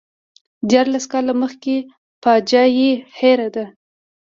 دیارلس کاله مخکې فاجعه یې هېره ده.